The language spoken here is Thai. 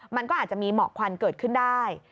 มันก็อาจจะมีหมอกควันเกิดขึ้นได้